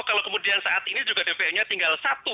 kalau kemudian saat ini juga dpo nya tinggal satu